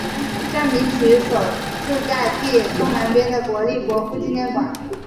站名取自所在地东南边的国立国父纪念馆。